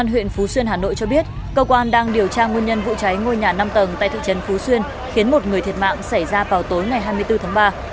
công an huyện phú xuyên hà nội cho biết cơ quan đang điều tra nguyên nhân vụ cháy ngôi nhà năm tầng tại thị trấn phú xuyên khiến một người thiệt mạng xảy ra vào tối ngày hai mươi bốn tháng ba